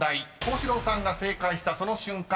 幸四郎さんが正解したその瞬間